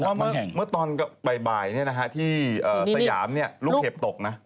เขาบอกว่าเมื่อตอนบ่ายที่สยามลูกเหดกลงตกนะ